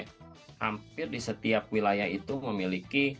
hampir di setiap wilayah itu memiliki